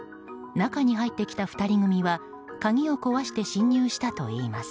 中に入ってきた２人組は鍵を壊して侵入したといいます。